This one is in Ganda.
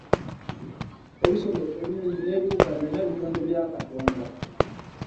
Ebisolo, ebinyonyi n’ebiwuka byonna bitonde bya Katonda.